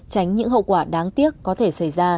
tránh những hậu quả đáng tiếc có thể xảy ra